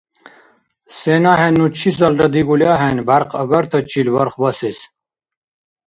Сен ахӀенну чисалра дигули ахӀен бяркъагартачил бархбасес.